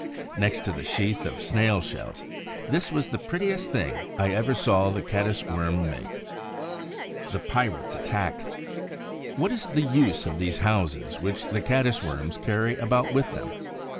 Next to the sheaths of snail shells, this was the prettiest thing I ever saw the Caddis worms make. THE PIRATES' ATTACK What is the use of these houses which the Caddis worms carry about with them?